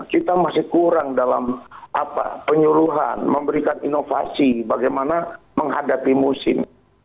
kita masih kurang dalam penyuluhan memberikan inovasi bagaimana menghadapi musim